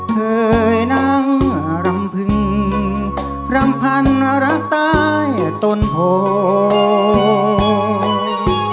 เคยนั่งลำพึงลำพันรักตายตนโพง